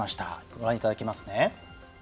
ご覧いただきますね。